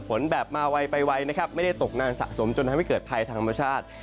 ฝนแบบมาวัยไว้ไม่ได้ตกนานสะสมจนไม่ได้เกิดภายทางประชาติ